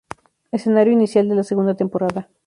Escenario inicial de la segunda temporada.